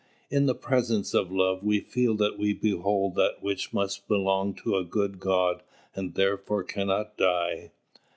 In the presence of love we feel that we behold that which must belong to a good God and therefore cannot die.